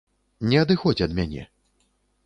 Не адыходзь ад мяне.